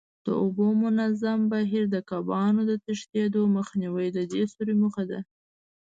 د اوبو منظم بهیر، د کبانو د تښتېدو مخنیوی د دې سوري موخه ده.